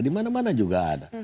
dimana mana juga ada